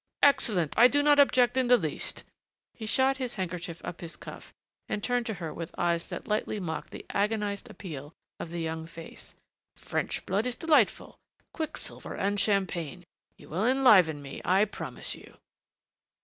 "Excellent I do not object in the least." He shot his handkerchief up his cuff, and turned to her with eyes that lightly mocked the agonized appeal of the young face. "French blood is delightful quicksilver and champagne. You will enliven me, I promise you."